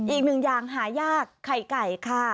อีกหนึ่งอย่างหายากไข่ไก่ค่ะ